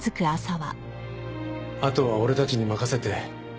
あとは俺たちに任せて。